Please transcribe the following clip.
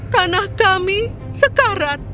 tanah kami sekarat